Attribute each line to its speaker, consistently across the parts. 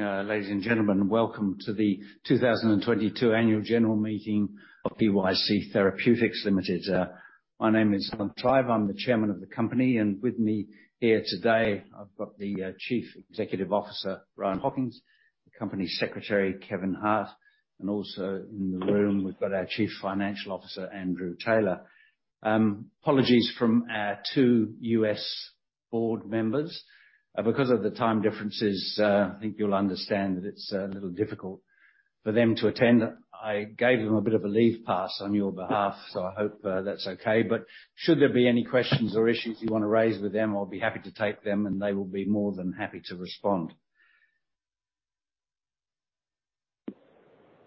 Speaker 1: Morning, ladies and gentlemen. Welcome to the 2022 Annual General Meeting of PYC Therapeutics Limited. My name is Alan Tribe. I'm the Chairman of the company. With me here today, I've got the Chief Executive Officer, Rohan Hockings, the Company Secretary, Kevin Hart, and also in the room we've got our Chief Financial Officer, Andrew Taylor. Apologies from our two U.S. Board Members. Because of the time differences, I think you'll understand that it's a little difficult for them to attend. I gave them a bit of a leave pass on your behalf, so I hope that's okay. Should there be any questions or issues you wanna raise with them, I'll be happy to take them, and they will be more than happy to respond.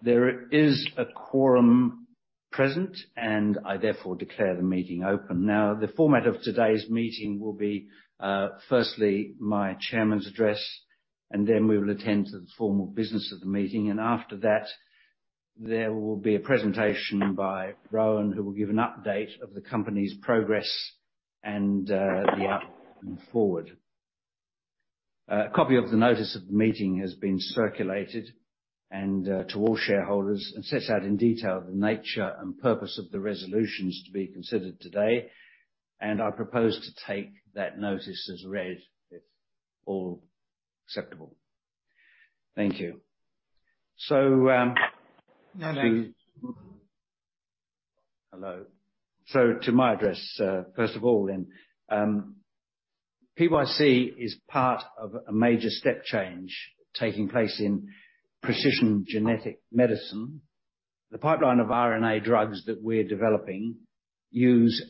Speaker 1: There is a quorum present, and I therefore declare the meeting open. Now, the format of today's meeting will be, firstly, my Chairman's address, and then we will attend to the formal business of the meeting. After that, there will be a presentation by Rohan, who will give an update of the company's progress and the outlook going forward. A copy of the notice of the meeting has been circulated to all shareholders and sets out in detail the nature and purpose of the resolutions to be considered today. I propose to take that notice as read, if all acceptable. Thank you.
Speaker 2: No, thanks.
Speaker 1: Hello. To my address, first of all, then, PYC is part of a major step change taking place in precision genetic medicine. The pipeline of RNA drugs that we're developing use-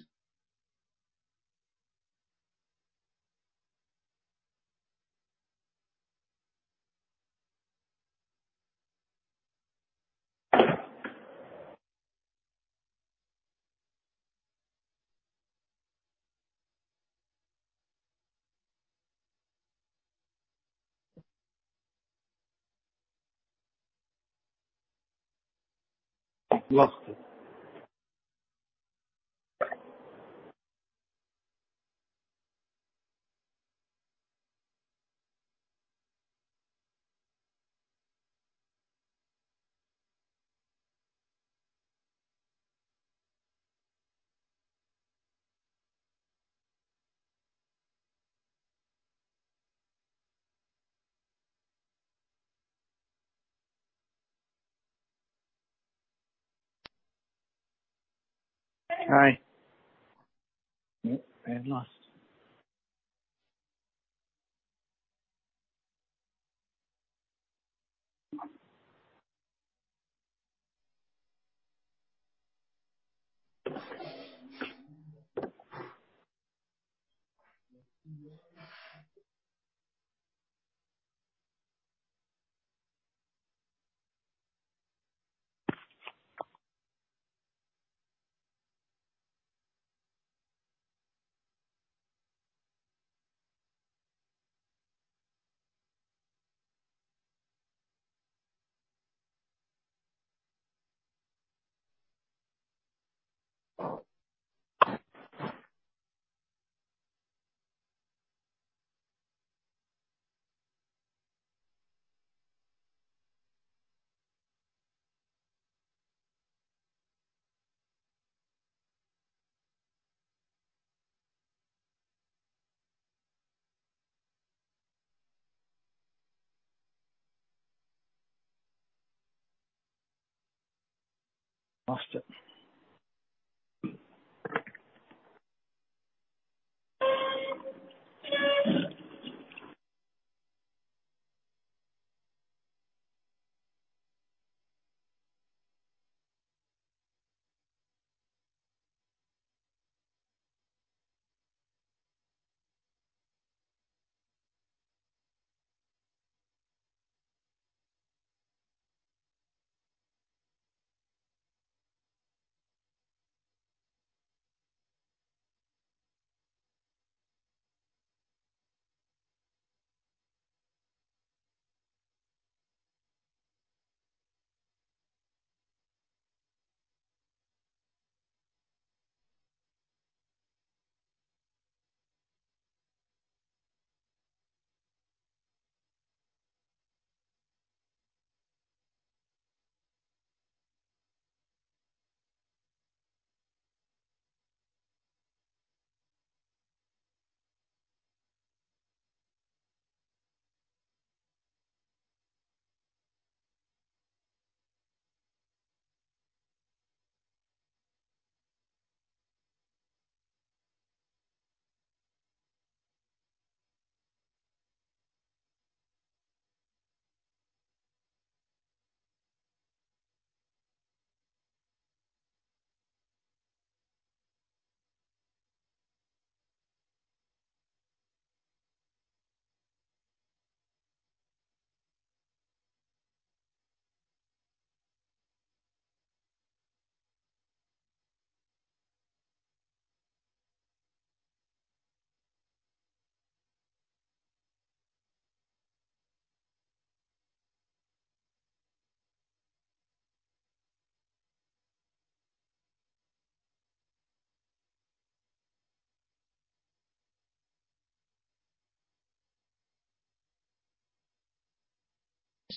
Speaker 2: Lost it.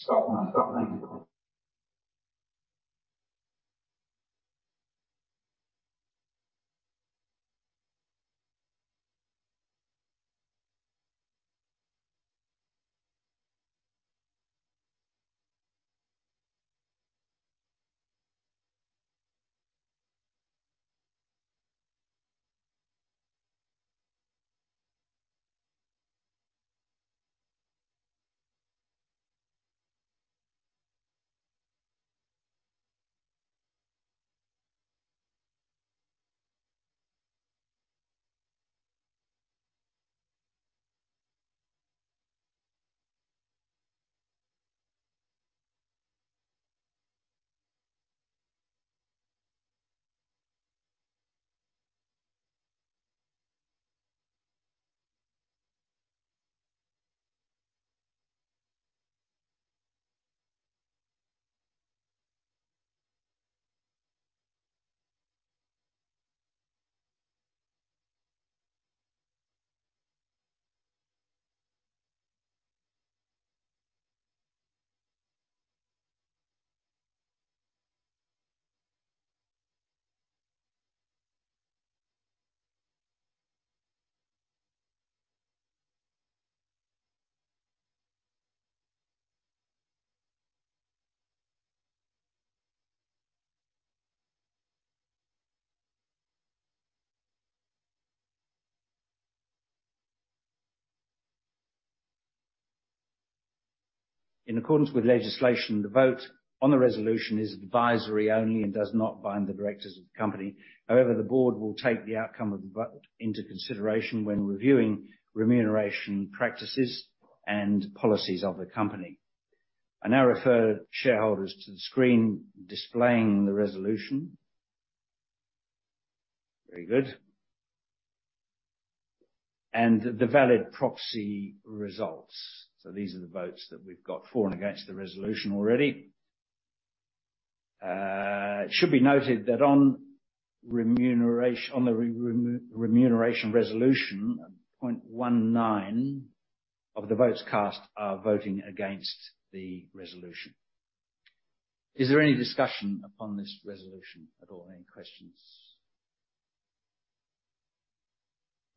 Speaker 2: Hi. Lost it.
Speaker 3: Stop 1.
Speaker 1: In accordance with legislation, the vote on the resolution is advisory only and does not bind the directors of the company. However, the Board will take the outcome of the vote into consideration when reviewing remuneration practices and policies of the company. I now refer shareholders to the screen displaying the resolution. Very good. The valid proxy results. These are the votes that we've got for and against the resolution already. It should be noted that on the remuneration resolution, 0.19 of the votes cast are voting against the resolution. Is there any discussion upon this resolution at all? Any questions?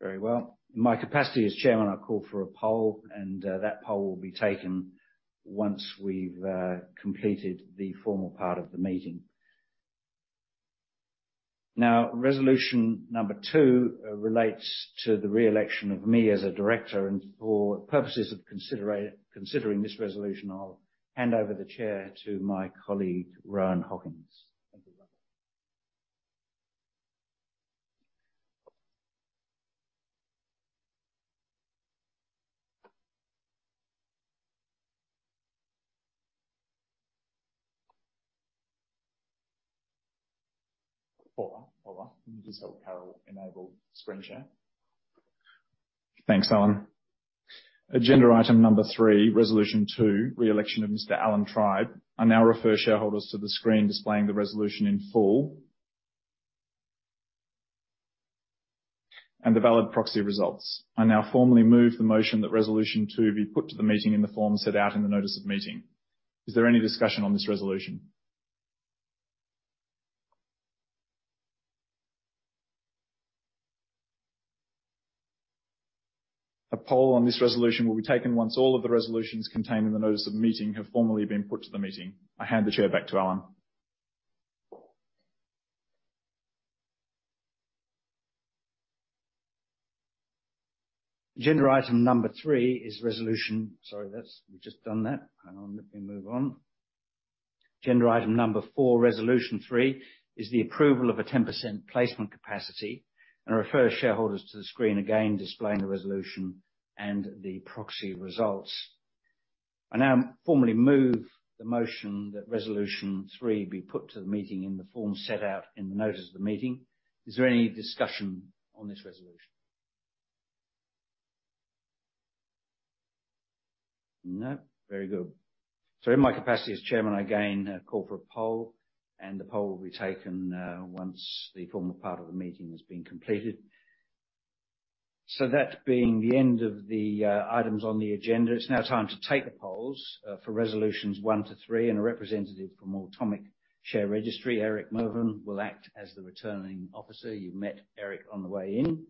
Speaker 1: Very well. In my capacity as Chairman, I call for a poll. That poll will be taken once we've completed the formal part of the meeting. Resolution number two, relates to the re-election of me as a director. For purposes of considering this resolution, I'll hand over the chair to my colleague, Rohan Hockings. Thank you. Bye.
Speaker 3: Paula, can you just help Carol enable screen share? Thanks, Alan. Agenda item Number three, Resolution two, re-election of Mr. Alan Tribe. I now refer shareholders to the screen displaying the resolution in full and the valid proxy results. I now formally move the motion that Resolution two be put to the meeting in the form set out in the notice of meeting. Is there any discussion on this resolution? A poll on this resolution will be taken once all of the resolutions contained in the notice of meeting have formally been put to the meeting. I hand the chair back to Alan.
Speaker 1: Agenda item Number three is resolution-- Sorry, we've just done that. Hang on, let me move on. Agenda item Number four, Resolution three is the approval of a 10% placement capacity and refer shareholders to the screen again displaying the resolution and the proxy results. I now formally move the motion that Resolution three be put to the meeting in the form set out in the notice of the meeting. Is there any discussion on this resolution? No. Very good. In my capacity as chairman, I again call for a poll, and the poll will be taken once the formal part of the meeting has been completed. That being the end of the items on the agenda, it's now time to take the polls for Resolutions one to three, and a representative from Automic Share Registry, Eric Mervin, will act as the Returning Officer. You've met Eric on the way in.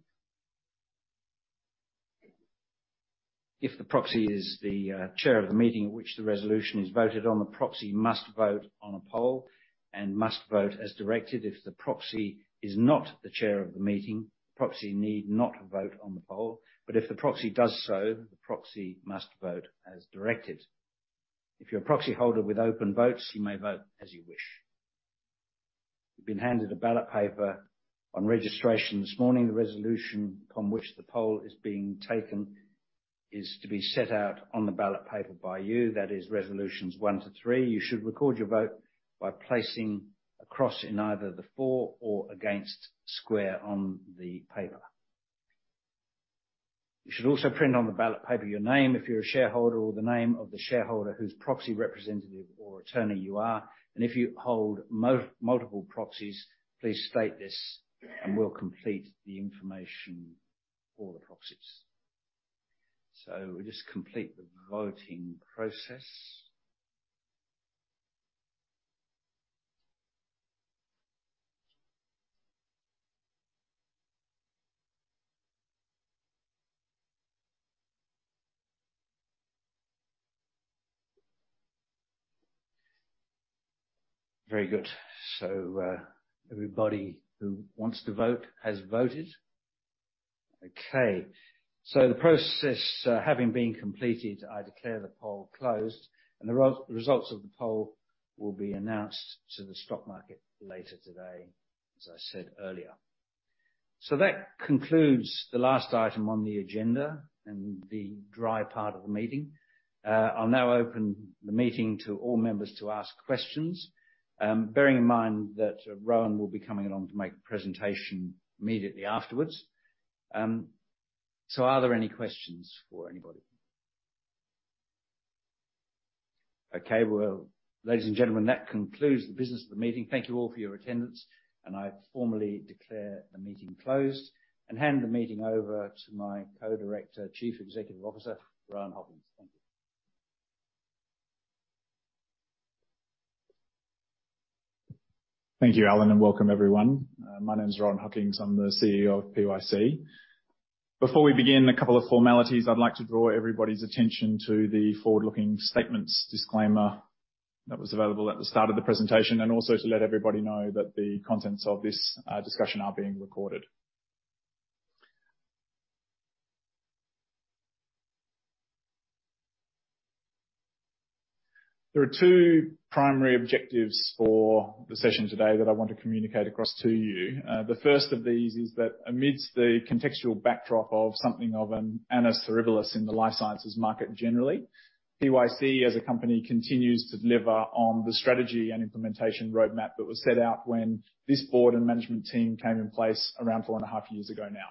Speaker 1: If the proxy is the chair of the meeting at which the resolution is voted on, the proxy must vote on a poll and must vote as directed. If the proxy is not the chair of the meeting, the proxy need not vote on the poll, but if the proxy does so, the proxy must vote as directed. If you're a proxy holder with open votes, you may vote as you wish. You've been handed a ballot paper on registration this morning. The resolution on which the poll is being taken is to be set out on the ballot paper by you, that is Resolutions one to three. You should record your vote by placing a cross in either the for or against square on the paper. You should also print on the ballot paper your name if you're a shareholder, or the name of the shareholder whose proxy representative or attorney you are. If you hold multiple proxies, please state this and we'll complete the information for the proxies. We'll just complete the voting process. Very good. Everybody who wants to vote has voted. Okay. The process, having been completed, I declare the poll closed. The results of the poll will be announced to the stock market later today, as I said earlier. That concludes the last item on the agenda and the dry part of the meeting. I'll now open the meeting to all members to ask questions, bearing in mind that Rohan will be coming along to make a presentation immediately afterwards. Are there any questions for anybody? Okay. Ladies and gentlemen, that concludes the business of the meeting. Thank you all for your attendance, and I formally declare the meeting closed, and hand the meeting over to my Co-Director, Chief Executive Officer, Rohan Hockings. Thank you.
Speaker 3: Thank you, Alan, and welcome everyone. My name is Rohan Hockings. I'm the CEO of PYC. Before we begin, a couple of formalities. I'd like to draw everybody's attention to the forward-looking statements disclaimer that was available at the start of the presentation, and also to let everybody know that the contents of this discussion are being recorded. There are two primary objectives for the session today that I want to communicate across to you. The first of these is that amidst the contextual backdrop of something of an annus horribilis in the life sciences market generally, PYC, as a company, continues to deliver on the strategy and implementation roadmap that was set out when this board and management team came in place around four and a half years ago now.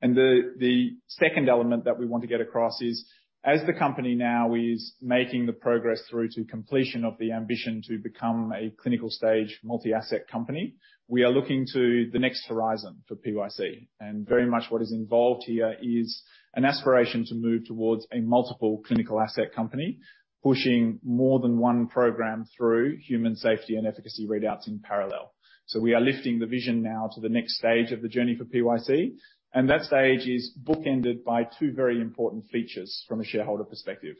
Speaker 3: The second element that we want to get across is, as the company now is making the progress through to completion of the ambition to become a clinical stage multi-asset company, we are looking to the next horizon for PYC. Very much what is involved here is an aspiration to move towards a multiple clinical asset company, pushing more than one program through human safety and efficacy readouts in parallel. We are lifting the vision now to the next stage of the journey for PYC, and that stage is bookended by two very important features from a shareholder perspective.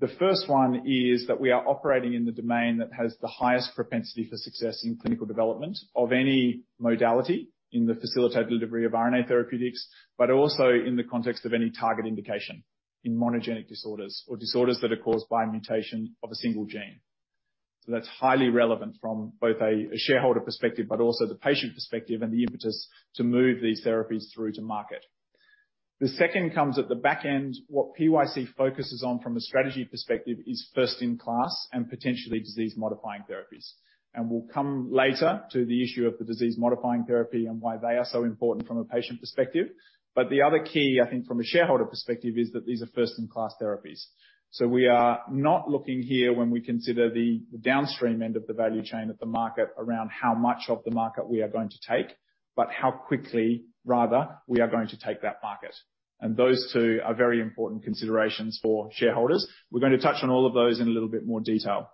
Speaker 3: The first one is that we are operating in the domain that has the highest propensity for success in clinical development of any modality in the facilitated delivery of RNA therapeutics, but also in the context of any target indication in monogenic disorders or disorders that are caused by mutation of a single gene. That's highly relevant from both a shareholder perspective, but also the patient perspective and the impetus to move these therapies through to market. The second comes at the back end. What PYC focuses on from a strategy perspective is first in class and potentially disease-modifying therapies. We'll come later to the issue of the disease-modifying therapy and why they are so important from a patient perspective. The other key, I think, from a shareholder perspective, is that these are first in class therapies. We are not looking here when we consider the downstream end of the value chain at the market around how much of the market we are going to take, but how quickly, rather, we are going to take that market. Those two are very important considerations for shareholders. We're going to touch on all of those in a little bit more detail.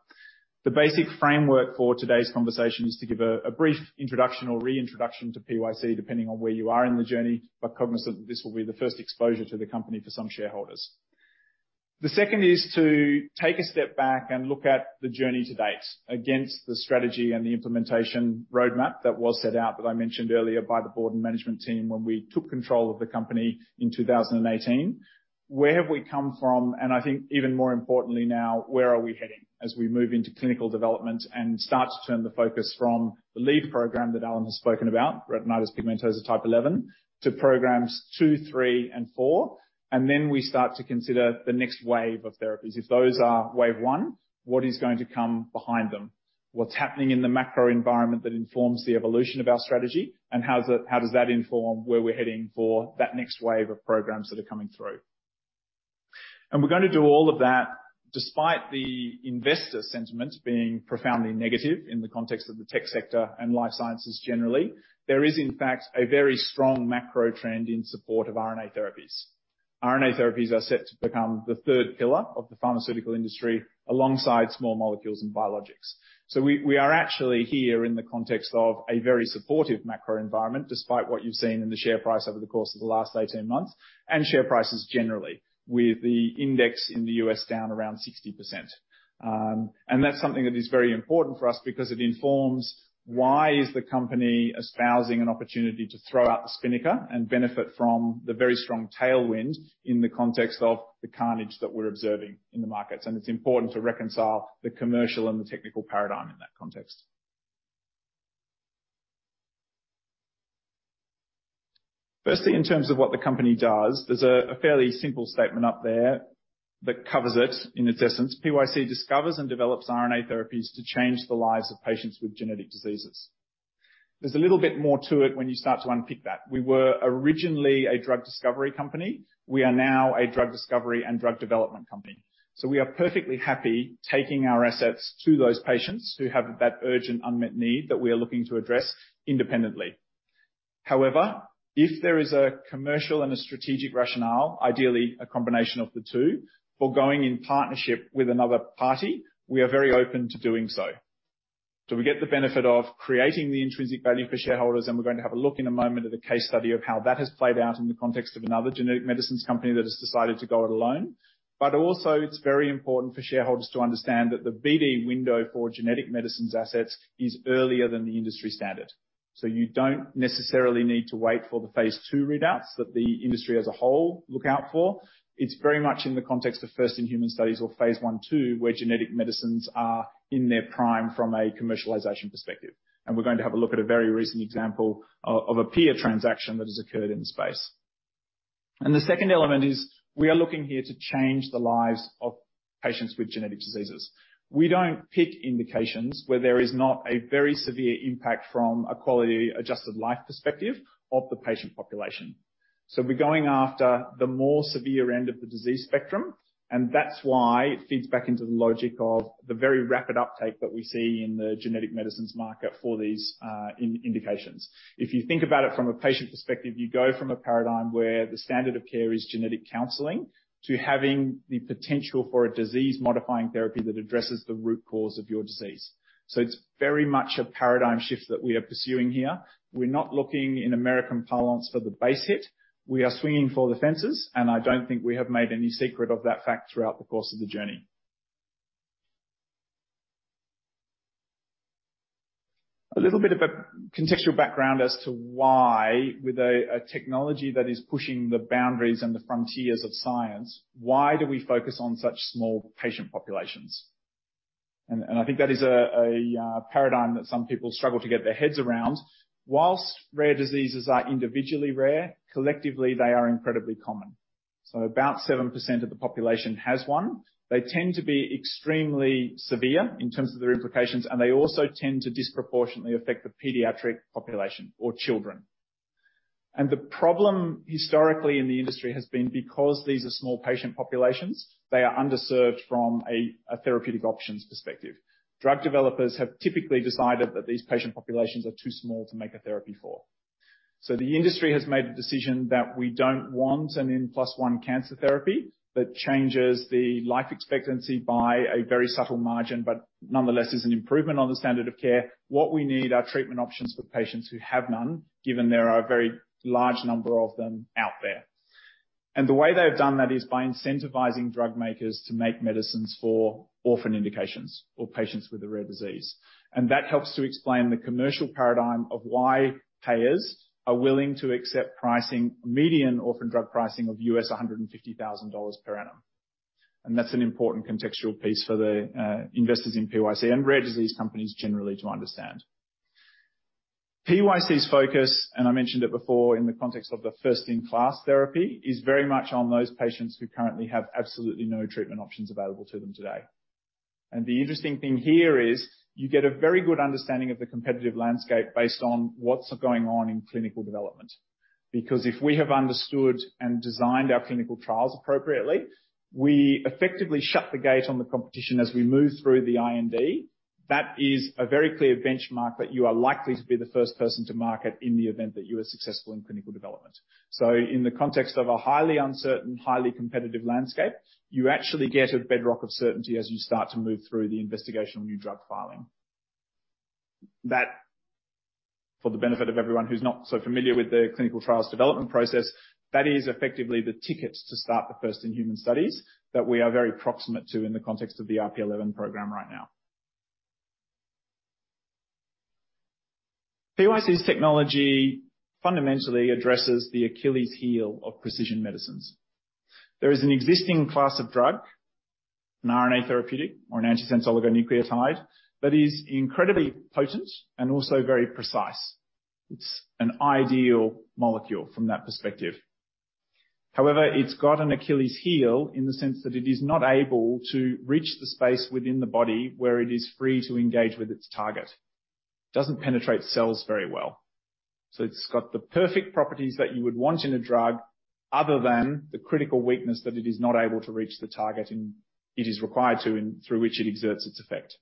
Speaker 3: The basic framework for today's conversation is to give a brief introduction or re-introduction to PYC, depending on where you are in the journey, but cognizant that this will be the first exposure to the company for some shareholders. The second is to take a step back and look at the journey to date against the strategy and the implementation roadmap that was set out, that I mentioned earlier, by the board and management team when we took control of the company in 2018. Where have we come from, and I think even more importantly now, where are we heading as we move into clinical development and start to turn the focus from the lead program that Alan has spoken about, Retinitis Pigmentosa type 11, to programs two, three, and four, and then we start to consider the next wave of therapies. If those are wave one, what is going to come behind them? What's happening in the macro environment that informs the evolution of our strategy? How does that inform where we're heading for that next wave of programs that are coming through? We're gonna do all of that despite the investor sentiment being profoundly negative in the context of the tech sector and life sciences generally. There is, in fact, a very strong macro trend in support of RNA therapies. RNA therapies are set to become the third pillar of the pharmaceutical industry, alongside small molecules and biologics. We are actually here in the context of a very supportive macro environment, despite what you've seen in the share price over the course of the last 18 months, and share prices generally, with the index in the U.S. down around 60%. That's something that is very important for us because it informs why is the company espousing an opportunity to throw out the spinnaker and benefit from the very strong tailwind in the context of the carnage that we're observing in the markets. It's important to reconcile the commercial and the technical paradigm in that context. Firstly, in terms of what the company does, there's a fairly simple statement up there that covers it in its essence. PYC discovers and develops RNA therapies to change the lives of patients with genetic diseases. There's a little bit more to it when you start to unpick that. We were originally a drug discovery company. We are now a drug discovery and drug development company. We are perfectly happy taking our assets to those patients who have that urgent unmet need that we are looking to address independently. If there is a commercial and a strategic rationale, ideally a combination of the two, for going in partnership with another party, we are very open to doing so. We get the benefit of creating the intrinsic value for shareholders, and we're going to have a look in a moment at the case study of how that has played out in the context of another genetic medicines company that has decided to go it alone. Also it's very important for shareholders to understand that the BD window for genetic medicines assets is earlier than the industry standard. You don't necessarily need to wait for the phase II readouts that the industry as a whole look out for. It's very much in the context of first in human studies or phase I/II, where genetic medicines are in their prime from a commercialization perspective. We're going to have a look at a very recent example of a peer transaction that has occurred in the space. The second element is we are looking here to change the lives of patients with genetic diseases. We don't pick indications where there is not a very severe impact from a quality adjusted life perspective of the patient population. We're going after the more severe end of the disease spectrum, and that's why it feeds back into the logic of the very rapid uptake that we see in the genetic medicines market for these in-indications. If you think about it from a patient perspective, you go from a paradigm where the standard of care is genetic counseling, to having the potential for a disease modifying therapy that addresses the root cause of your disease. It's very much a paradigm shift that we are pursuing here. We're not looking in American parlance for the base hit. We are swinging for the fences, and I don't think we have made any secret of that fact throughout the course of the journey. A little bit of a contextual background as to why, with a technology that is pushing the boundaries and the frontiers of science, why do we focus on such small patient populations? I think that is a paradigm that some people struggle to get their heads around. Whilst rare diseases are individually rare, collectively they are incredibly common. About 7% of the population has one. They tend to be extremely severe in terms of their implications, and they also tend to disproportionately affect the pediatric population or children. The problem historically in the industry has been because these are small patient populations, they are underserved from a therapeutic options perspective. Drug developers have typically decided that these patient populations are too small to make a therapy for. The industry has made a decision that we don't want an n plus one cancer therapy that changes the life expectancy by a very subtle margin. Nonetheless is an improvement on the standard of care. What we need are treatment options for patients who have none, given there are a very large number of them out there. The way they've done that is by incentivizing drug makers to make medicines for orphan indications or patients with a rare disease. That helps to explain the commercial paradigm of why payers are willing to accept pricing, median orphan drug pricing of U.S. $150,000 per annum. That's an important contextual piece for the investors in PYC and rare disease companies generally to understand. PYC's focus, and I mentioned it before in the context of the first in class therapy, is very much on those patients who currently have absolutely no treatment options available to them today. The interesting thing here is you get a very good understanding of the competitive landscape based on what's going on in clinical development. If we have understood and designed our clinical trials appropriately, we effectively shut the gate on the competition as we move through the IND. That is a very clear benchmark that you are likely to be the first person to market in the event that you are successful in clinical development. In the context of a highly uncertain, highly competitive landscape, you actually get a bedrock of certainty as you start to move through the investigational new drug filing. That, for the benefit of everyone who's not so familiar with the clinical trials development process, that is effectively the tickets to start the first in human studies that we are very proximate to in the context of the RP11 program right now. PYC's technology fundamentally addresses the Achilles heel of precision medicines. There is an existing class of drug, an RNA therapeutic or an antisense oligonucleotide, that is incredibly potent and also very precise. It's an ideal molecule from that perspective. It's got an Achilles heel in the sense that it is not able to reach the space within the body where it is free to engage with its target. It doesn't penetrate cells very well. It's got the perfect properties that you would want in a drug other than the critical weakness that it is not able to reach the target and it is required to, and through which it exerts its effect.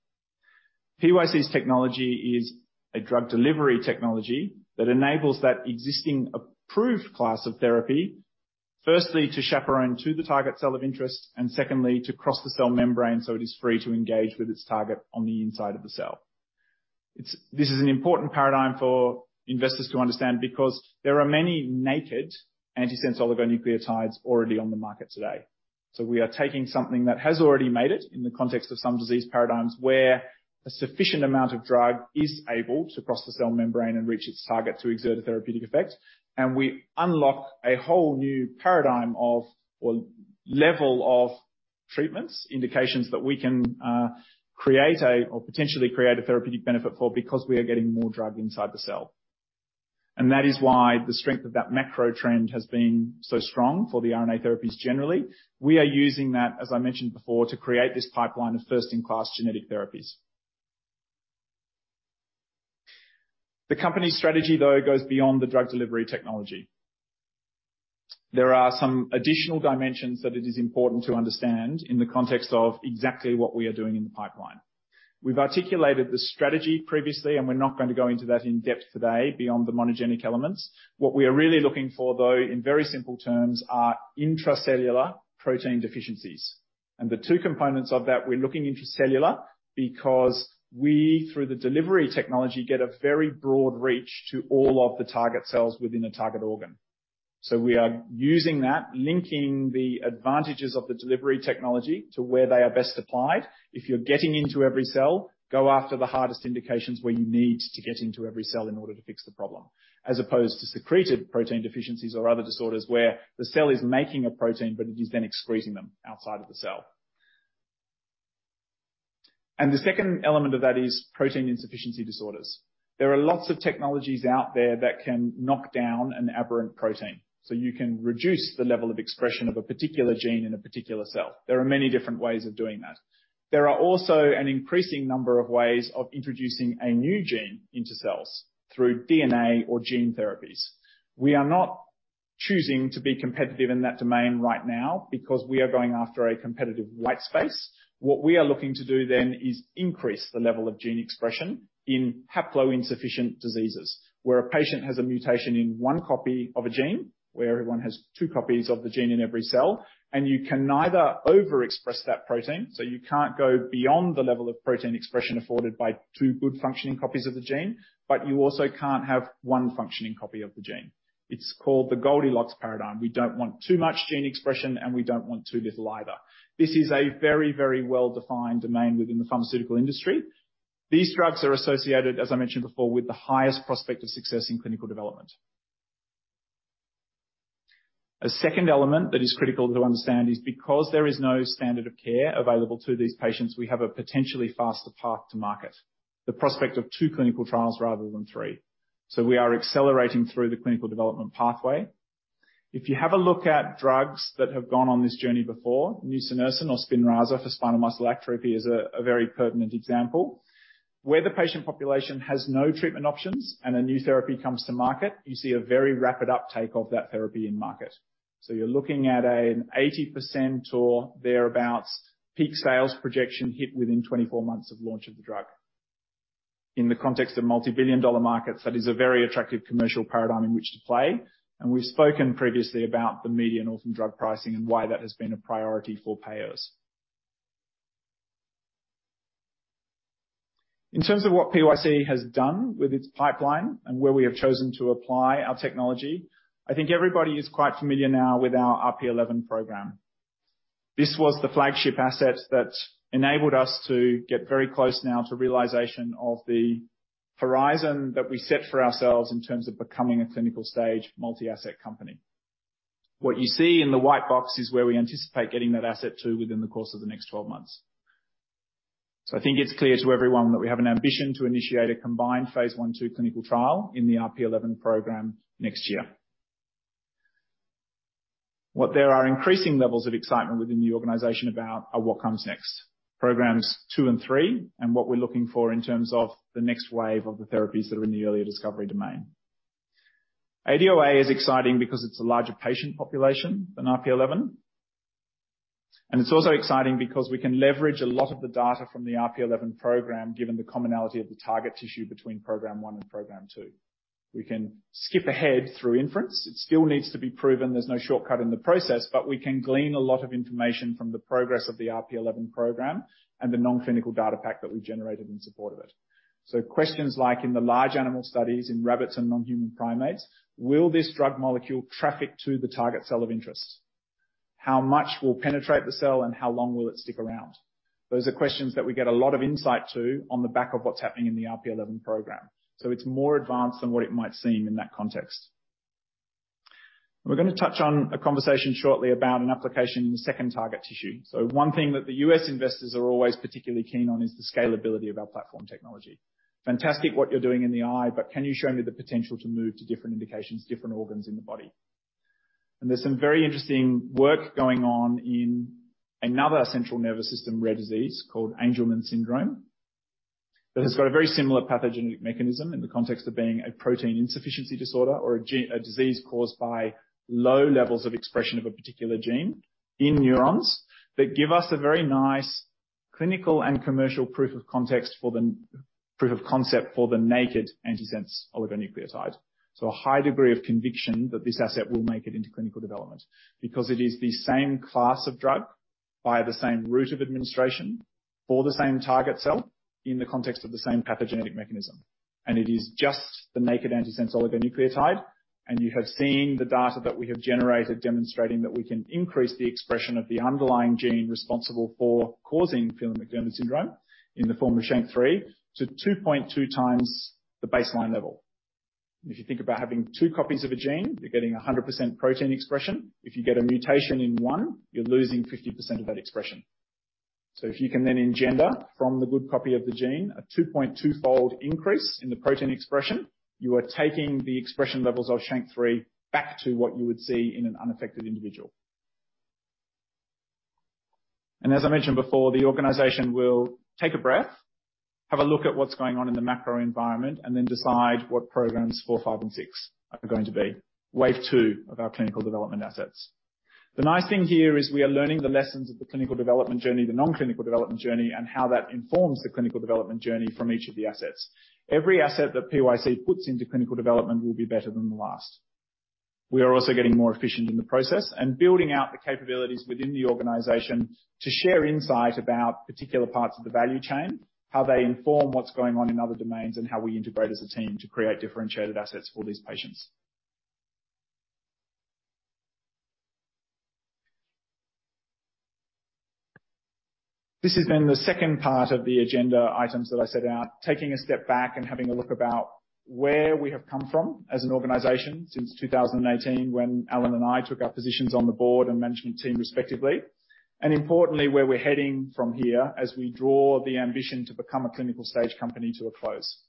Speaker 3: PYC's technology is a drug delivery technology that enables that existing approved class of therapy, firstly, to chaperone to the target cell of interest and secondly, to cross the cell membrane, so it is free to engage with its target on the inside of the cell. This is an important paradigm for investors to understand because there are many naked antisense oligonucleotides already on the market today. We are taking something that has already made it in the context of some disease paradigms, where a sufficient amount of drug is able to cross the cell membrane and reach its target to exert a therapeutic effect. We unlock a whole new paradigm of, or level of treatments, indications that we can create or potentially create a therapeutic benefit for because we are getting more drug inside the cell. That is why the strength of that macro trend has been so strong for the RNA therapies generally. We are using that, as I mentioned before, to create this pipeline of first-in-class genetic therapies. The company's strategy, though, goes beyond the drug delivery technology. There are some additional dimensions that it is important to understand in the context of exactly what we are doing in the pipeline. We've articulated the strategy previously, and we're not going to go into that in depth today beyond the monogenic elements. What we are really looking for, though, in very simple terms, are intracellular protein deficiencies. The two components of that, we're looking intracellular because we, through the delivery technology, get a very broad reach to all of the target cells within a target organ. We are using that, linking the advantages of the delivery technology to where they are best applied. If you're getting into every cell, go after the hardest indications where you need to get into every cell in order to fix the problem, as opposed to secreted protein deficiencies or other disorders where the cell is making a protein, but it is then excreting them outside of the cell. The second element of that is protein insufficiency disorders. There are lots of technologies out there that can knock down an aberrant protein, so you can reduce the level of expression of a particular gene in a particular cell. There are many different ways of doing that. There are also an increasing number of ways of introducing a new gene into cells through DNA or gene therapies. We are not choosing to be competitive in that domain right now because we are going after a competitive white space. What we are looking to do then is increase the level of gene expression in haploinsufficient diseases where a patient has a mutation in one copy of a gene, where everyone has two copies of the gene in every cell, and you can neither overexpress that protein, so you can't go beyond the level of protein expression afforded by two good functioning copies of the gene, but you also can't have one functioning copy of the gene. It's called the Goldilocks paradigm. We don't want too much gene expression, and we don't want too little either. This is a very, very well-defined domain within the pharmaceutical industry. These drugs are associated, as I mentioned before, with the highest prospect of success in clinical development. A second element that is critical to understand is because there is no standard of care available to these patients, we have a potentially faster path to market, the prospect of two clinical trials rather than three. We are accelerating through the clinical development pathway. If you have a look at drugs that have gone on this journey before, Nusinersen or Spinraza for spinal muscular atrophy is a very pertinent example. Where the patient population has no treatment options and a new therapy comes to market, you see a very rapid uptake of that therapy in market. You're looking at an 80% or thereabout peak sales projection hit within 24 months of launch of the drug. In the context of multibillion-dollar markets, that is a very attractive commercial paradigm in which to play. We've spoken previously about the median orphan drug pricing and why that has been a priority for payers. In terms of what PYC has done with its pipeline and where we have chosen to apply our technology, I think everybody is quite familiar now with our RP11 program. This was the flagship asset that enabled us to get very close now to realization of the horizon that we set for ourselves in terms of becoming a clinical-stage multi-asset company. What you see in the white box is where we anticipate getting that asset to within the course of the next 12 months. I think it's clear to everyone that we have an ambition to initiate a combined phase I/II clinical trial in the RP11 program next year. What there are increasing levels of excitement within the organization about are what comes next, programs two and three, and what we're looking for in terms of the next wave of the therapies that are in the earlier discovery domain. ADOA is exciting because it's a larger patient population than RP11. It's also exciting because we can leverage a lot of the data from the RP11 program, given the commonality of the target tissue between program one and program two. We can skip ahead through inference. It still needs to be proven there's no shortcut in the process. We can glean a lot of information from the progress of the RP11 program and the non-clinical data pack that we generated in support of it. Questions like in the large animal studies in rabbits and non-human primates, will this drug molecule traffic to the target cell of interest? How much will penetrate the cell, and how long will it stick around? Those are questions that we get a lot of insight to on the back of what's happening in the RP11 program. It's more advanced than what it might seem in that context. We're gonna touch on a conversation shortly about an application in the second target tissue. One thing that the U.S. investors are always particularly keen on is the scalability of our platform technology. Fantastic what you're doing in the eye, but can you show me the potential to move to different indications, different organs in the body? There's some very interesting work going on in another central nervous system rare disease called Angelman syndrome, that has got a very similar pathogenic mechanism in the context of being a protein insufficiency disorder or a disease caused by low levels of expression of a particular gene in neurons that give us a very nice clinical and commercial proof of concept for the naked antisense oligonucleotide. A high degree of conviction that this asset will make it into clinical development because it is the same class of drug by the same route of administration for the same target cell in the context of the same pathogenic mechanism. It is just the naked antisense oligonucleotide, and you have seen the data that we have generated demonstrating that we can increase the expression of the underlying gene responsible for causing Phelan-McDermid syndrome in the form of SHANK3 to 2.2 times the baseline level. If you think about having two copies of a gene, you're getting 100% protein expression. If you get a mutation in one, you're losing 50% of that expression. If you can then engender from the good copy of the gene a 2.2-fold increase in the protein expression, you are taking the expression levels of SHANK3 back to what you would see in an unaffected individual. As I mentioned before, the organization will take a breath, have a look at what's going on in the macro environment, and then decide what programs four, five and six are going to be. Wave two of our clinical development assets. The nice thing here is we are learning the lessons of the clinical development journey, the non-clinical development journey, and how that informs the clinical development journey from each of the assets. Every asset that PYC puts into clinical development will be better than the last. We are also getting more efficient in the process and building out the capabilities within the organization to share insight about particular parts of the value chain, how they inform what's going on in other domains, and how we integrate as a team to create differentiated assets for these patients. This is the second part of the agenda items that I set out, taking a step back and having a look about where we have come from as an organization since 2018, when Alan and I took our positions on the board and management team respectively. Importantly, where we're heading from here as we draw the ambition to become a clinical stage company to a close.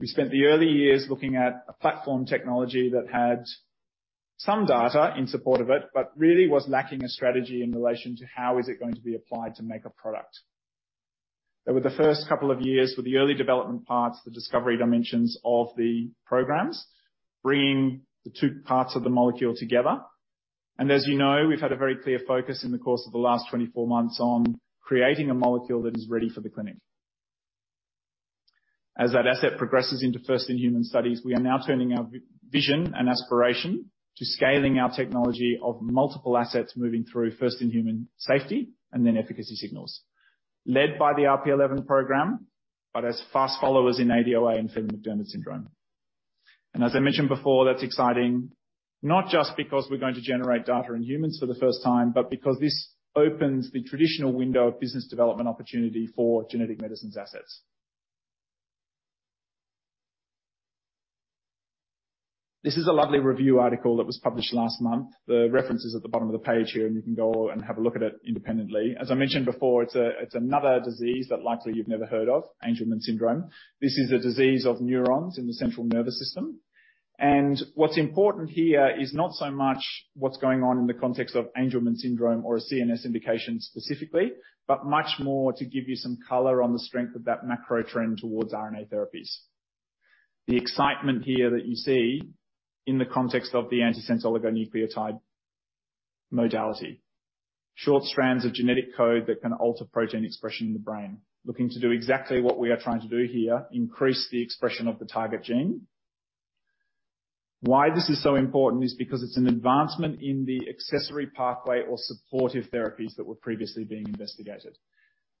Speaker 3: We spent the early years looking at a platform technology that had some data in support of it, but really was lacking a strategy in relation to how is it going to be applied to make a product. Over the first couple of years with the early development parts, the discovery dimensions of the programs, bringing the two parts of the molecule together. As you know, we've had a very clear focus in the course of the last 24 months on creating a molecule that is ready for the clinic. As that asset progresses into first-in-human studies, we are now turning our vision and aspiration to scaling our technology of multiple assets, moving through first-in-human safety and then efficacy signals. Led by the RP11 program, but as fast followers in ADOA and Phelan-McDermid syndrome. As I mentioned before, that's exciting, not just because we're going to generate data in humans for the first time, but because this opens the traditional window of business development opportunity for genetic medicines assets. This is a lovely review article that was published last month. The reference is at the bottom of the page here, you can go and have a look at it independently. As I mentioned before, it's another disease that likely you've never heard of, Angelman syndrome. This is a disease of neurons in the central nervous system. What's important here is not so much what's going on in the context of Angelman syndrome or a CNS indication specifically, but much more to give you some color on the strength of that macro trend towards RNA therapies. The excitement here that you see in the context of the antisense oligonucleotide modality. Short strands of genetic code that can alter protein expression in the brain. Looking to do exactly what we are trying to do here, increase the expression of the target gene. Why this is so important is because it's an advancement in the accessory pathway or supportive therapies that were previously being investigated.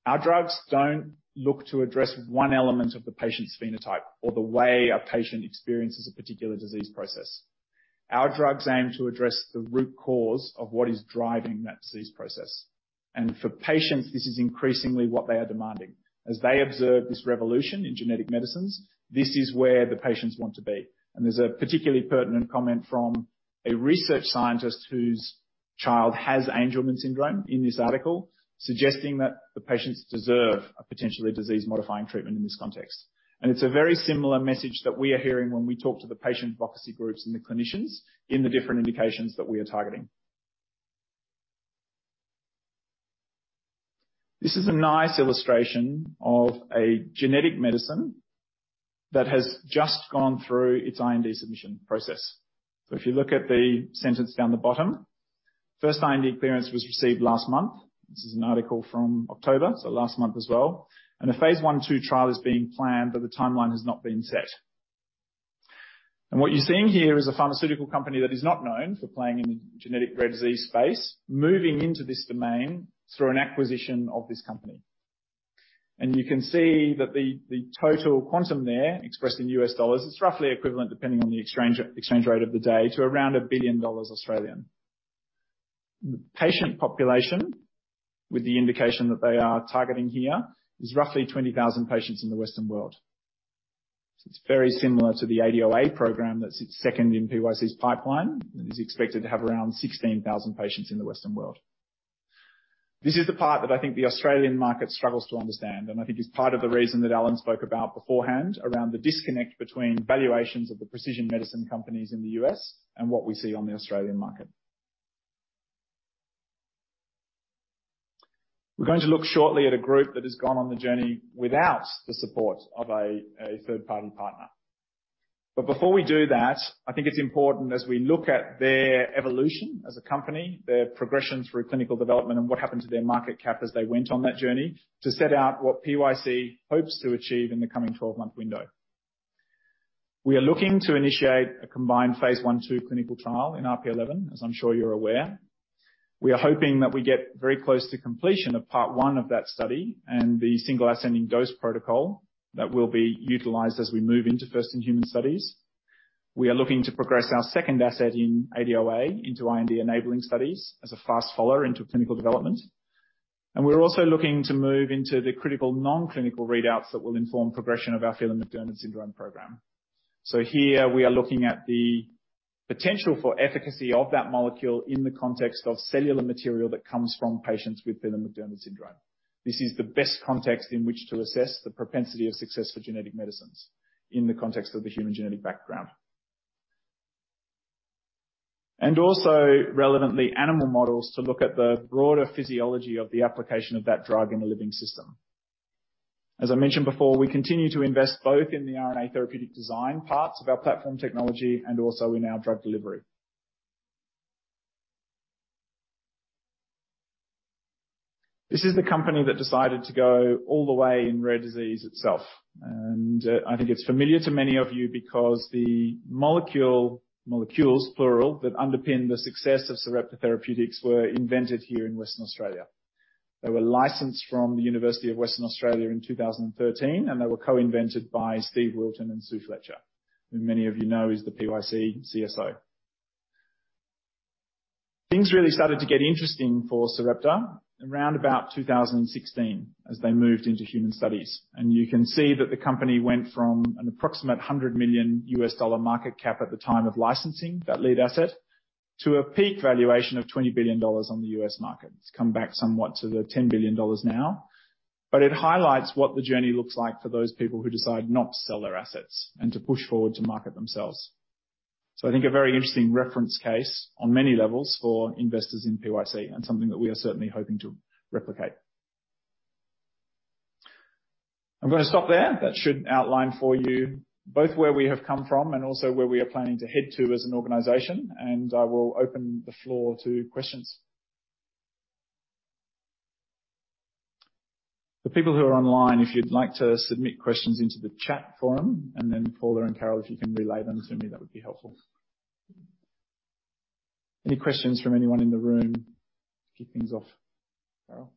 Speaker 3: Our drugs don't look to address one element of the patient's phenotype or the way a patient experiences a particular disease process. Our drugs aim to address the root cause of what is driving that disease process. For patients, this is increasingly what they are demanding. As they observe this revolution in genetic medicines, this is where the patients want to be. There's a particularly pertinent comment from a research scientist whose child has Angelman syndrome in this article, suggesting that the patients deserve a potentially disease-modifying treatment in this context. It's a very similar message that we are hearing when we talk to the patient advocacy groups and the clinicians in the different indications that we are targeting. This is a nice illustration of a genetic medicine that has just gone through its IND submission process. If you look at the sentence down the bottom, first IND clearance was received last month. This is an article from October, so last month as well. A phase I/II trial is being planned, but the timeline has not been set. What you're seeing here is a pharmaceutical company that is not known for playing in genetic rare disease space, moving into this domain through an acquisition of this company. You can see that the total quantum there, expressed in U.S. dollars, is roughly equivalent, depending on the exchange rate of the day, to around 1 billion dollars. The patient population, with the indication that they are targeting here, is roughly 20,000 patients in the Western world. It's very similar to the ADOA program that sits second in PYC's pipeline and is expected to have around 16,000 patients in the Western world. This is the part that I think the Australian market struggles to understand, and I think is part of the reason that Alan spoke about beforehand around the disconnect between valuations of the precision medicine companies in the U.S. and what we see on the Australian market. We're going to look shortly at a group that has gone on the journey without the support of a third-party partner. Before we do that, I think it's important as we look at their evolution as a company, their progression through clinical development and what happened to their market cap as they went on that journey to set out what PYC hopes to achieve in the coming 12-month window. We are looking to initiate a combined phase I/II clinical trial in RP 11, as I'm sure you're aware. We are hoping that we get very close to completion of part one of that study and the single ascending dose protocol that will be utilized as we move into first-in-human studies. We are looking to progress our second asset in ADOA into IND-enabling studies as a fast follower into clinical development. We're also looking to move into the critical non-clinical readouts that will inform progression of our Phelan-McDermid syndrome program. Here we are looking at the potential for efficacy of that molecule in the context of cellular material that comes from patients with Phelan-McDermid syndrome. This is the best context in which to assess the propensity of success for genetic medicines in the context of the human genetic background. Also, relevantly, animal models to look at the broader physiology of the application of that drug in a living system. I mentioned before, we continue to invest both in the RNA therapeutic design parts of our platform technology and also in our drug delivery. This is the company that decided to go all the way in rare disease itself. I think it's familiar to many of you because the molecule, molecules plural, that underpin the success of Sarepta Therapeutics were invented here in Western Australia. They were licensed from the University of Western Australia in 2013, and they were co-invented by Steve Wilton and Sue Fletcher, who many of you know is the PYC CSO. Things really started to get interesting for Sarepta around about 2016 as they moved into human studies. You can see that the company went from an approximate $100 million market cap at the time of licensing that lead asset to a peak valuation of $20 billion on the U.S. market. It's come back somewhat to $10 billion now. It highlights what the journey looks like for those people who decide not to sell their assets and to push forward to market themselves. I think a very interesting reference case on many levels for investors in PYC and something that we are certainly hoping to replicate. I'm gonna stop there. That should outline for you both where we have come from and also where we are planning to head to as an organization. I will open the floor to questions. For people who are online, if you'd like to submit questions into the chat forum, Paula and Carol, if you can relay them to me, that would be helpful. Any questions from anyone in the room to kick things off? Carol?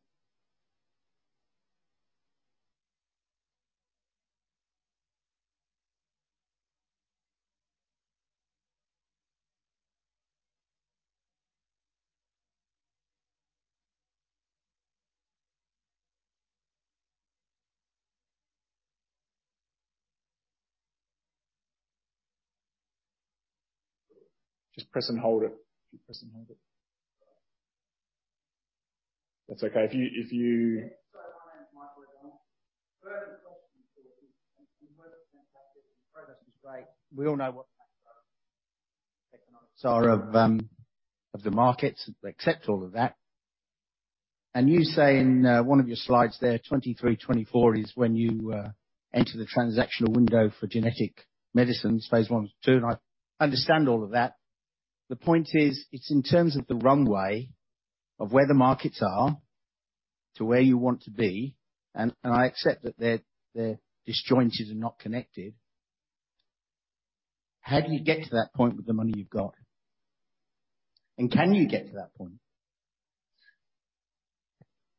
Speaker 3: Just press and hold it. Keep pressing hold it. That's okay. If you.
Speaker 4: My name is Michael McDonald. Further to the question, of course, is, and work's been fantastic and progress is great. We all know what the macroeconomics are of the markets. They accept all of that. You say in one of your slides there, 2023, 2024 is when you enter the transactional window for genetic medicines, phase I to II, and I understand all of that. The point is, it's in terms of the runway of where the markets are to where you want to be, and I accept that they're disjointed and not connected. How do you get to that point with the money you've got? Can you get to that point?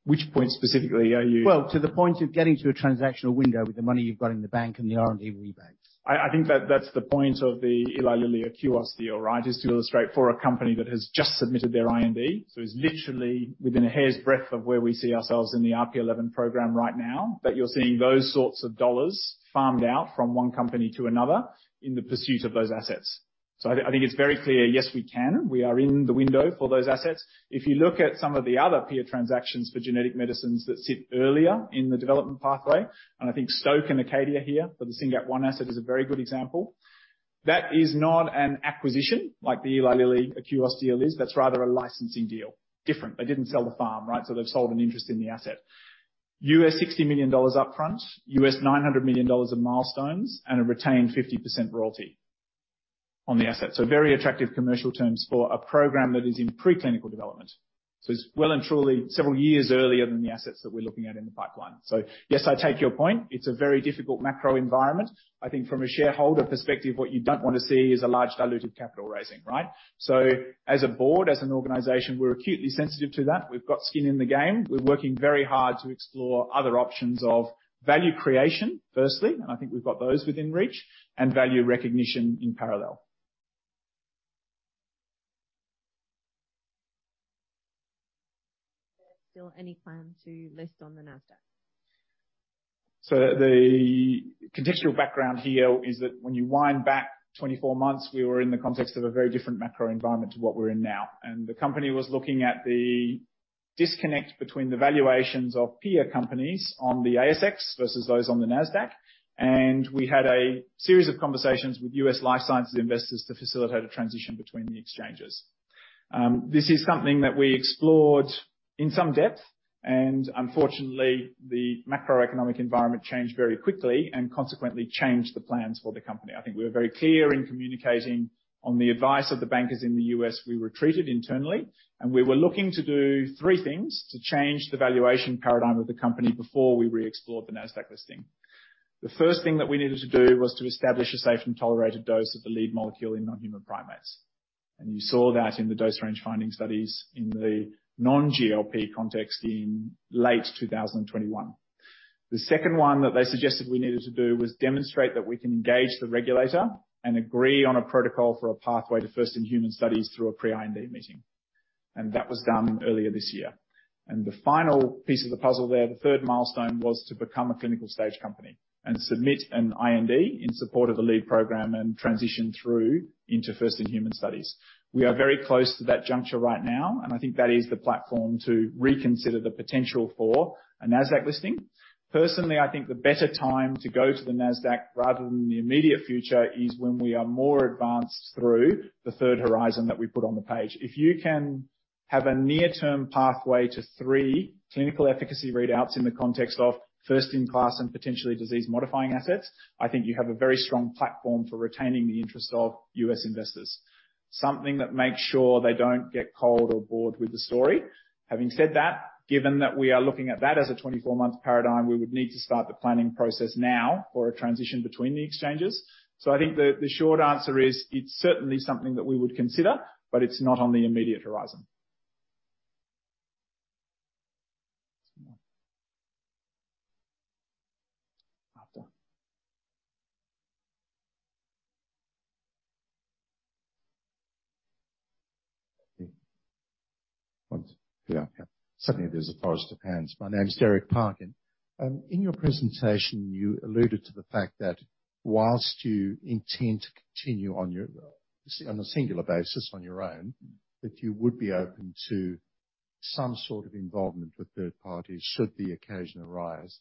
Speaker 3: Which point specifically are you-
Speaker 4: Well, to the point of getting to a transactional window with the money you've got in the bank and the R&D rebates.
Speaker 3: I think that that's the point of the Eli Lilly Akouos deal, right? Is to illustrate for a company that has just submitted their IND, so it's literally within a hair's breadth of where we see ourselves in the RP11 program right now, that you're seeing those sorts of dollars farmed out from one company to another in the pursuit of those assets. I think it's very clear, yes, we can. We are in the window for those assets. If you look at some of the other peer transactions for genetic medicines that sit earlier in the development pathway, I think Stoke and Acadia here for the SYNGAP1 asset is a very good example. That is not an acquisition like the Eli Lilly Akouos deal is. That's rather a licensing deal. Different. They didn't sell the farm, right? They've sold an interest in the asset. $60 million upfront, $900 million of milestones, and a retained 50% royalty on the asset. Very attractive commercial terms for a program that is in pre-clinical development. It's well and truly several years earlier than the assets that we're looking at in the pipeline. Yes, I take your point. It's a very difficult macro environment. I think from a shareholder perspective, what you don't want to see is a large diluted capital raising, right? As a board, as an organization, we're acutely sensitive to that. We've got skin in the game. We're working very hard to explore other options of value creation, firstly, and I think we've got those within reach, and value recognition in parallel.
Speaker 5: Is there still any plan to list on the Nasdaq?
Speaker 3: The contextual background here is that when you wind back 24-months, we were in the context of a very different macro environment to what we're in now. The company was looking at the disconnect between the valuations of peer companies on the ASX versus those on the Nasdaq. We had a series of conversations with U.S. life sciences investors to facilitate a transition between the exchanges. This is something that we explored in some depth, and unfortunately, the macroeconomic environment changed very quickly and consequently changed the plans for the company. I think we were very clear in communicating on the advice of the bankers in the U.S. we were treated internally, and we were looking to do three things to change the valuation paradigm of the company before we re-explored the Nasdaq listing. The first thing that we needed to do was to establish a safe and tolerated dose of the lead molecule in non-human primates. You saw that in the dose range finding studies in the non-GLP context in late 2021. The second one that they suggested we needed to do was demonstrate that we can engage the regulator and agree on a protocol for a pathway to first-in-human studies through a pre-IND meeting. That was done earlier this year. The final piece of the puzzle there, the third milestone, was to become a clinical-stage company and submit an IND in support of the lead program and transition through into first-in-human studies. We are very close to that juncture right now, and I think that is the platform to reconsider the potential for a Nasdaq listing. Personally, I think the better time to go to the Nasdaq rather than the immediate future is when we are more advanced through the third horizon that we put on the page. If you can have a near-term pathway to three clinical efficacy readouts in the context of first-in-class and potentially disease-modifying assets, I think you have a very strong platform for retaining the interest of U.S. investors, something that makes sure they don't get cold or bored with the story. Having said that, given that we are looking at that as a 24-month paradigm, we would need to start the planning process now for a transition between the exchanges. I think the short answer is, it's certainly something that we would consider, but it's not on the immediate horizon.
Speaker 6: Suddenly there's a forest of hands. My name is Derek Parkin. In your presentation, you alluded to the fact that whilst you intend to continue on your, on a singular basis on your own, that you would be open to some sort of involvement with third parties should the occasion arise.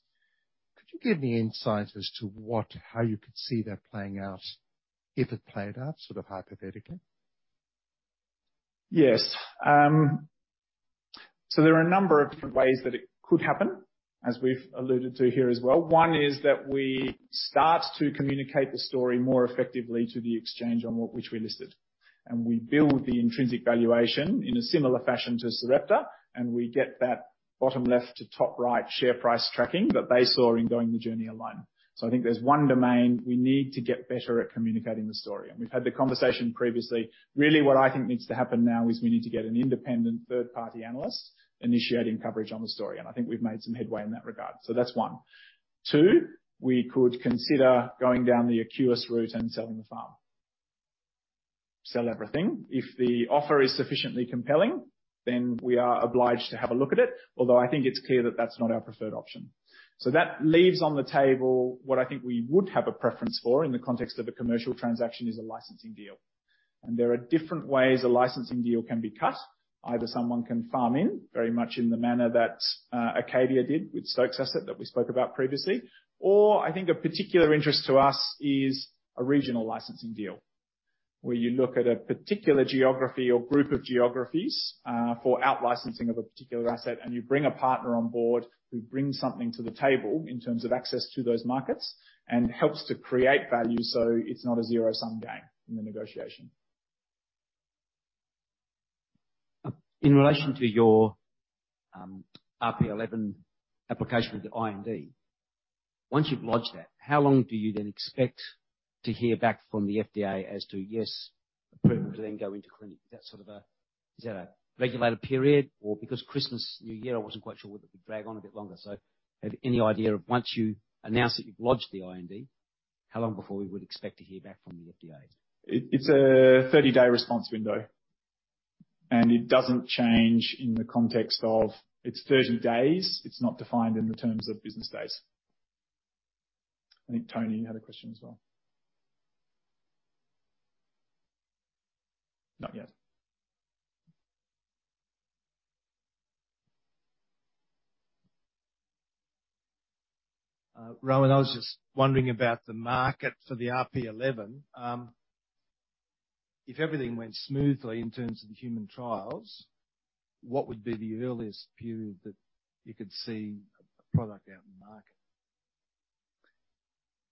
Speaker 6: Could you give me insights as to how you could see that playing out if it played out, sort of hypothetically?
Speaker 3: Yes. There are a number of different ways that it could happen, as we've alluded to here as well. One is that we start to communicate the story more effectively to the exchange on which we listed, and we build the intrinsic valuation in a similar fashion to Sarepta, and we get that bottom left to top right share price tracking that they saw in going the journey alone. I think there's one domain we need to get better at communicating the story. We've had the conversation previously. What I think needs to happen now is we need to get an independent third-party analyst initiating coverage on the story, and I think we've made some headway in that regard. That's one. Two, we could consider going down the Akouos route and selling the farm. Sell everything. If the offer is sufficiently compelling, then we are obliged to have a look at it, although I think it's clear that that's not our preferred option. That leaves on the table what I think we would have a preference for in the context of a commercial transaction is a licensing deal. There are different ways a licensing deal can be cut. Either someone can farm in very much in the manner that Acadia Pharmaceuticals did with Stoke asset that we spoke about previously, or I think a particular interest to us is a regional licensing deal, where you look at a particular geography or group of geographies for out-licensing of a particular asset, and you bring a partner on board who brings something to the table in terms of access to those markets and helps to create value. It's not a zero-sum game in the negotiation.
Speaker 7: In relation to your RP11 application with the IND. Once you've lodged that, how long do you then expect to hear back from the FDA as to yes, approval to then go into clinic? Is that a regulated period? Because Christmas, New Year, I wasn't quite sure whether it would drag on a bit longer. Any idea of once you announce that you've lodged the IND, how long before we would expect to hear back from the FDA?
Speaker 3: It's a 30-day response window, it doesn't change in the context of-- It's 30 days. It's not defined in the terms of business days. I think Tony had a question as well. Not yet.
Speaker 7: Rohan, I was just wondering about the market for the RP11. If everything went smoothly in terms of the human trials, what would be the earliest period that you could see a product out in the market?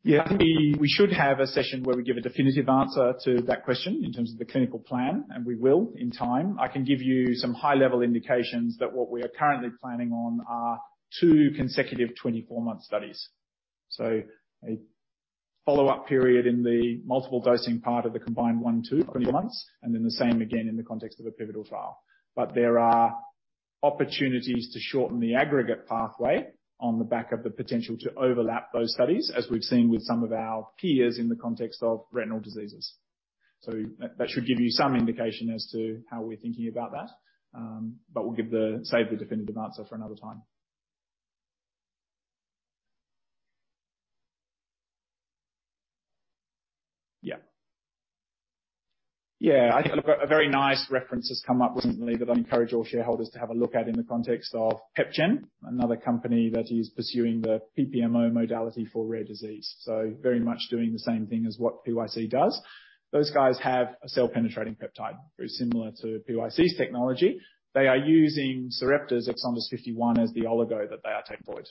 Speaker 3: Yeah, I think we should have a session where we give a definitive answer to that question in terms of the clinical plan, and we will in time. I can give you some high-level indications that what we are currently planning on are two consecutive 24-month studies. A follow-up period in the multiple dosing part of the combined phase I/II, 20 months, and then the same again in the context of a pivotal trial. There are opportunities to shorten the aggregate pathway on the back of the potential to overlap those studies, as we've seen with some of our peers in the context of retinal diseases. That, that should give you some indication as to how we're thinking about that. We'll save the definitive answer for another time. Yeah. Yeah, I think a very nice reference has come up recently that I'd encourage all shareholders to have a look at in the context of PepGen, another company that is pursuing the PPMO modality for rare disease. Very much doing the same thing as what PYC does. Those guys have a cell-penetrating peptide, very similar to PYC's technology. They are using Sarepta's exon 51 as the oligo that they are taking forward.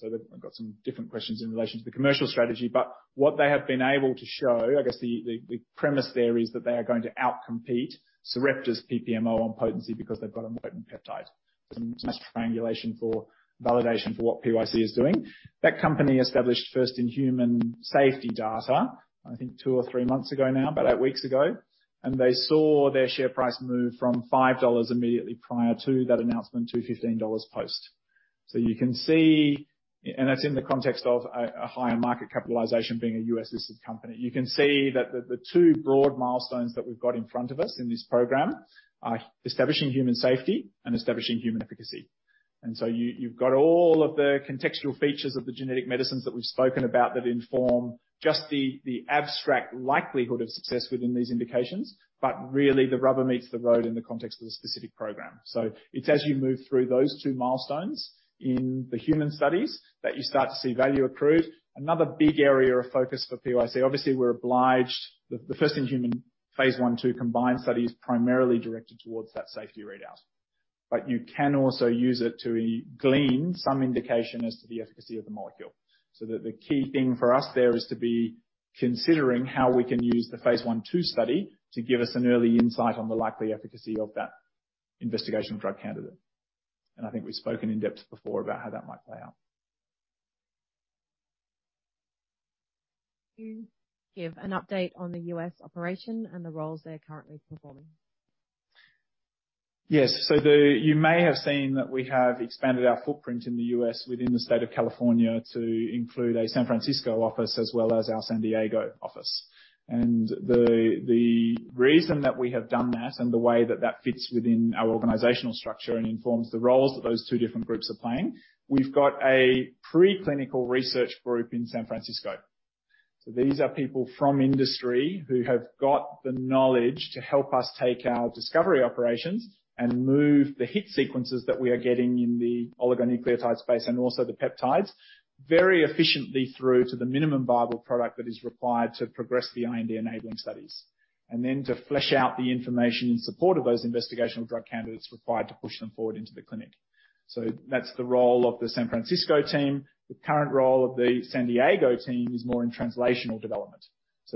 Speaker 3: They've got some different questions in relation to the commercial strategy. What they have been able to show, I guess the premise there is that they are going to outcompete Sarepta's PPMO on potency because they've got a potent peptide. Some nice triangulation for validation for what PYC is doing. That company established first in human safety data, I think two or three months ago now, about eight weeks ago. They saw their share price move from $5 immediately prior to that announcement to $15 post. So you can see that's in the context of a higher market capitalization being a U.S.-listed company. You can see that the two broad milestones that we've got in front of us in this program are establishing human safety and establishing human efficacy. You've got all of the contextual features of the genetic medicines that we've spoken about that inform just the abstract likelihood of success within these indications. Really the rubber meets the road in the context of the specific program. It's as you move through those two milestones in the human studies that you start to see value accrued. Another big area of focus for PYC, obviously, we're obliged, the first-in-human phase I/II combined study is primarily directed towards that safety readout. You can also use it to glean some indication as to the efficacy of the molecule. The key thing for us there is to be considering how we can use the phase I/II study to give us an early insight on the likely efficacy of that investigation drug candidate. I think we've spoken in depth before about how that might play out.
Speaker 5: You give an update on the U.S. operation and the roles they're currently performing.
Speaker 3: Yes. You may have seen that we have expanded our footprint in the U.S. within the state of California to include a San Francisco office as well as our San Diego office. The reason that we have done that and the way that that fits within our organizational structure and informs the roles that those two different groups are playing, we've got a pre-clinical research group in San Francisco. These are people from industry who have got the knowledge to help us take our discovery operations and move the hit sequences that we are getting in the oligonucleotide space and also the peptides very efficiently through to the minimum viable product that is required to progress the IND-enabling studies, and then to flesh out the information in support of those investigational drug candidates required to push them forward into the clinic. That's the role of the San Francisco team. The current role of the San Diego team is more in translational development.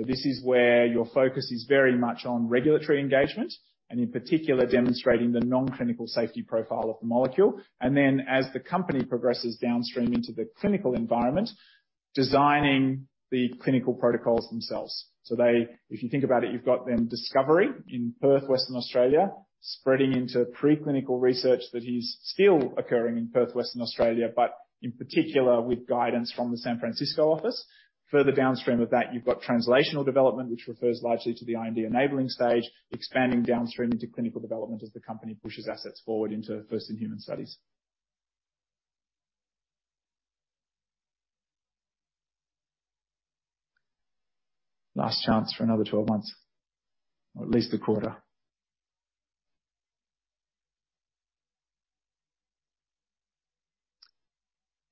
Speaker 3: This is where your focus is very much on regulatory engagement and in particular demonstrating the non-clinical safety profile of the molecule. As the company progresses downstream into the clinical environment, designing the clinical protocols themselves. They, if you think about it, you've got then discovery in Perth, Western Australia, spreading into pre-clinical research that is still occurring in Perth, Western Australia, but in particular with guidance from the San Francisco office. Further downstream of that, you've got translational development, which refers largely to the IND-enabling stage, expanding downstream into clinical development as the company pushes assets forward into first-in-human studies. Last chance for another 12 months or at least a quarter.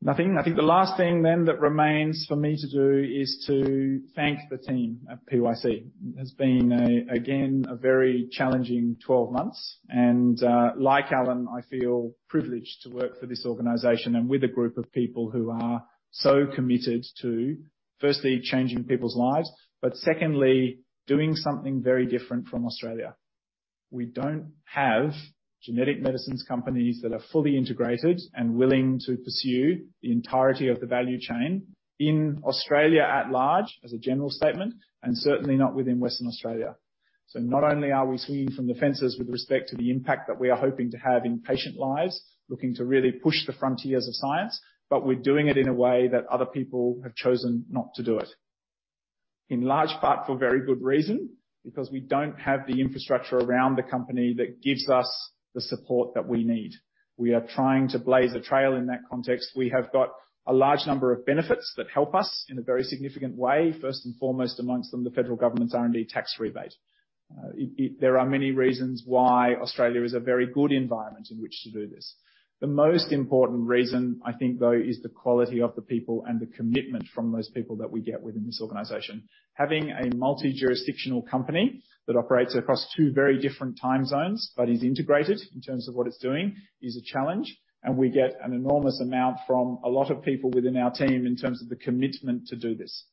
Speaker 3: Nothing. I think the last thing then that remains for me to do is to thank the team at PYC. It has been a, again, a very challenging 12 months. Like Alan, I feel privileged to work for this organization and with a group of people who are so committed to, firstly, changing people's lives, but secondly, doing something very different from Australia. We don't have genetic medicines companies that are fully integrated and willing to pursue the entirety of the value chain in Australia at large, as a general statement, and certainly not within Western Australia. Not only are we swinging from the fences with respect to the impact that we are hoping to have in patient lives, looking to really push the frontiers of science, but we're doing it in a way that other people have chosen not to do it. In large part for very good reason, because we don't have the infrastructure around the company that gives us the support that we need. We are trying to blaze a trail in that context. We have got a large number of benefits that help us in a very significant way. First and foremost amongst them, the federal government's R&D Tax Incentive. There are many reasons why Australia is a very good environment in which to do this. The most important reason, I think, though, is the quality of the people and the commitment from those people that we get within this organization. Having a multi-jurisdictional company that operates across two very different time zones but is integrated in terms of what it's doing is a challenge. We get an enormous amount from a lot of people within our team in terms of the commitment to do this.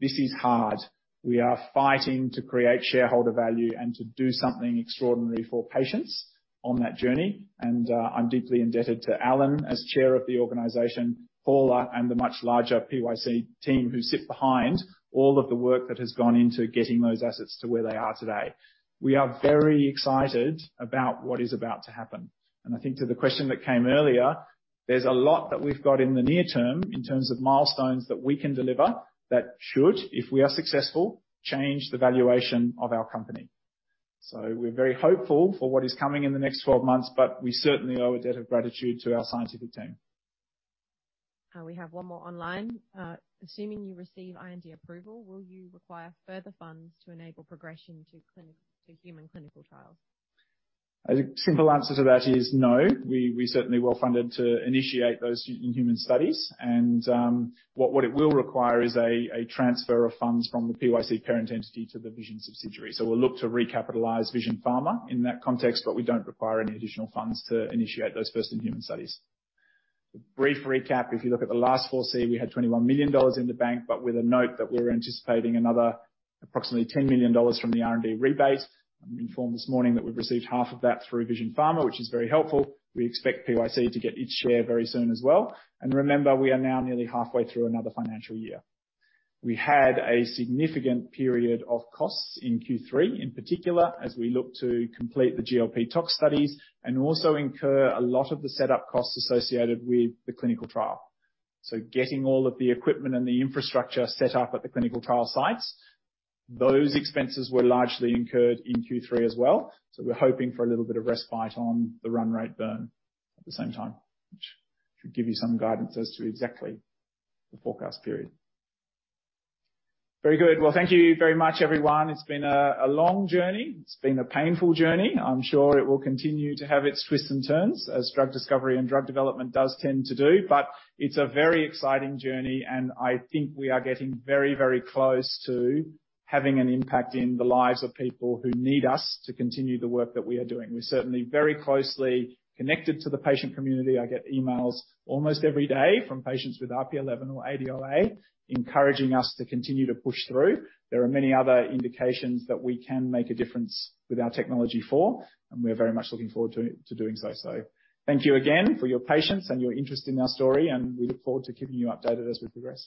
Speaker 3: This is hard. We are fighting to create shareholder value and to do something extraordinary for patients on that journey. I'm deeply indebted to Alan as chair of the organization, Paula, and the much larger PYC team who sit behind all of the work that has gone into getting those assets to where they are today. We are very excited about what is about to happen. I think to the question that came earlier, there's a lot that we've got in the near term in terms of milestones that we can deliver that should, if we are successful, change the valuation of our company. We're very hopeful for what is coming in the next 12 months, but we certainly owe a debt of gratitude to our scientific team.
Speaker 5: We have one more online. Assuming you receive IND approval, will you require further funds to enable progression to human clinical trials?
Speaker 3: A simple answer to that is no. We're certainly well-funded to initiate those in human studies. What it will require is a transfer of funds from the PYC parent entity to the Vision subsidiary. We'll look to recapitalize Vision Pharma in that context, but we don't require any additional funds to initiate those first-in-human studies. A brief recap, if you look at the last 4C, we had 21 million dollars in the bank, but with a note that we're anticipating another approximately 10 million dollars from the R&D rebate. I've been informed this morning that we've received half of that through Vision Pharma, which is very helpful. We expect PYC to get its share very soon as well. Remember, we are now nearly halfway through another financial year. We had a significant period of costs in Q3, in particular, as we look to complete the GLP tox studies and also incur a lot of the setup costs associated with the clinical trial. Getting all of the equipment and the infrastructure set up at the clinical trial sites, those expenses were largely incurred in Q3 as well. We're hoping for a little bit of respite on the run rate burn at the same time, which should give you some guidance as to exactly the forecast period. Very good. Well, thank you very much, everyone. It's been a long journey. It's been a painful journey. I'm sure it will continue to have its twists and turns as drug discovery and drug development does tend to do. It's a very exciting journey, and I think we are getting very, very close to having an impact in the lives of people who need us to continue the work that we are doing. We're certainly very closely connected to the patient community. I get emails almost every day from patients with RP11 or ADOA encouraging us to continue to push through. There are many other indications that we can make a difference with our technology for, and we're very much looking forward to doing so. Thank you again for your patience and your interest in our story, and we look forward to keeping you updated as we progress.